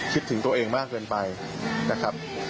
คิดถึงตัวเองมากเกินไปนะครับ